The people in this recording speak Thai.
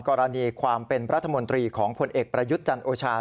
กรณีความเป็นรัฐมนตรีของผลเอกประยุทธ์จันโอชา